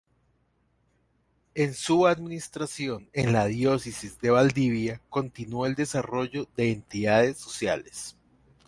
En su administración en la Diócesis de Valdivia continuó el desarrollo de entidades sociales.